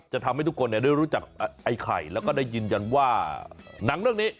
ทำให้ทุกคนได้รู้จักไอ้ไข่แล้วก็ได้ยืนยันว่าหนังเรื่องนี้